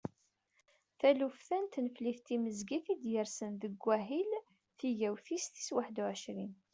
Taluft-a n tneflit timezgit i d-yersen deg wahil tigawt tis waḥedd u ɛecrin.